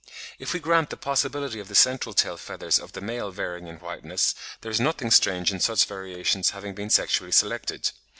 If we grant the possibility of the central tail feathers of the male varying in whiteness, there is nothing strange in such variations having been sexually selected.